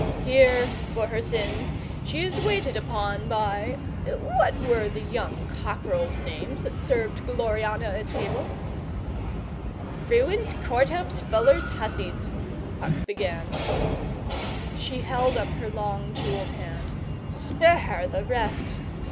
Here for her sins she is waited upon by What were the young cockerels' names that served Gloriana at table?' 'Frewens, Courthopes, Fullers, Husseys,' Puck began. She held up her long jewelled hand. 'Spare the rest!